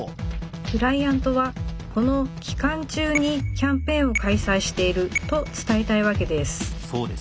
クライアントはこの期間中にキャンペーンを開催していると伝えたいわけです。